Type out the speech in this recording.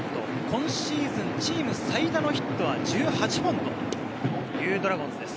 今シーズンでチーム最多のヒットは１８本というドラゴンズです。